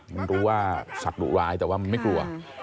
มันรู้ว่าสัตว์ดุร้ายแต่ว่ามันไม่กลัว